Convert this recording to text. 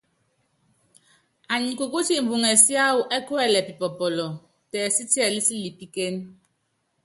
Anyi kukúti imbuŋɛ siáwɔ ɛ́ kuɛlɛ pipɔpɔlɔ, tɛɛ sítiɛlí silipíkéne.